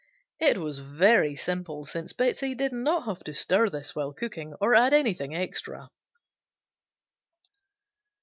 It was very simple, since Betsey did not have to stir this while cooking or add anything extra.